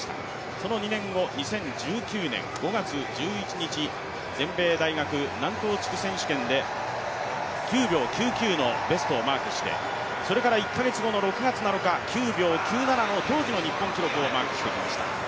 その２年後２０１９年５月１１日、全米選手権南東地区決勝で９秒９９のベストをマークして、それから１か月後の６月７日、９秒９７の当時の日本記録をマークしてきました。